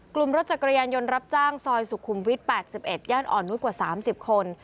รถจักรยานยนต์รับจ้างซอยสุขุมวิทย์๘๑ย่านอ่อนนุษย์กว่า๓๐คน